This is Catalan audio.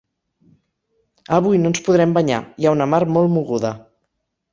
Avui no ens podrem banyar: hi ha una mar molt moguda.